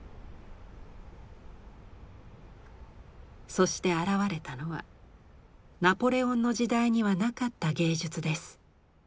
そして現れたのはナポレオンの時代にはなかった芸術です。